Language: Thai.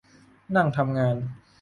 นั่งทำงาน